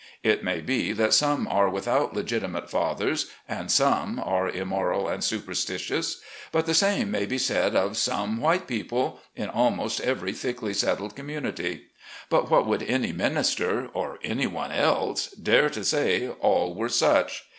It may be that some are without legitimate fathers, and some are immoral and superstitious. But the same may be said of some white people, in almost every thickly settled community. But would any minister, or anyone else, dare to say all were such